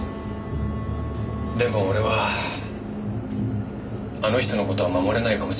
でも俺はあの人の事は守れないかもしれない。